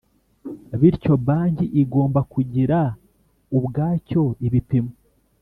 Bityo banki igomba kugira ubwacyo ibipimo